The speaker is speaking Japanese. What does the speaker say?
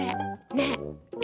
ねえ。